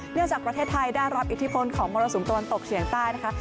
จากประเทศไทยได้รับอิทธิพลของมรสุมตะวันตกเฉียงใต้นะคะ